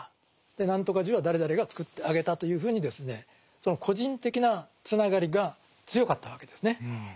何とか寺は誰々がつくってあげたというふうにですねその個人的なつながりが強かったわけですね。